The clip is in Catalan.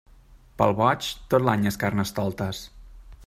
Pel boig, tot l'any és Carnestoltes.